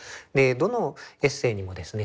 どのエッセーにもですね